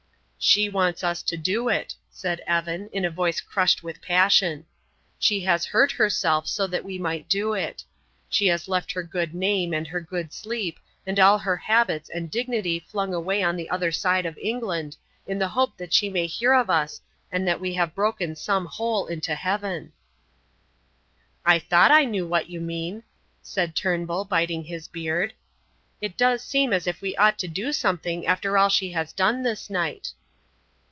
"She wants us to do it," said Evan, in a voice crushed with passion. "She has hurt herself so that we might do it. She has left her good name and her good sleep and all her habits and dignity flung away on the other side of England in the hope that she may hear of us and that we have broken some hole into heaven." "I thought I knew what you mean," said Turnbull, biting his beard; "it does seem as if we ought to do something after all she has done this night."